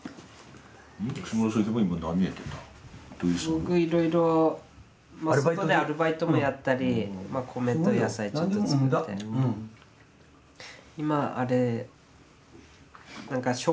僕いろいろまあ外でアルバイトもやったり米と野菜ちょっと作って。